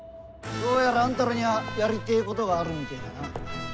どうやらあんたらにゃやりてえことがあるみてえだな。